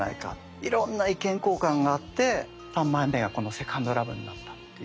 いろんな意見交換があって３枚目がこの「セカンド・ラブ」になったっていう経緯ですね。